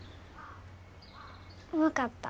分かった。